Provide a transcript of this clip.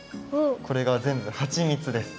これがぜんぶはちみつです。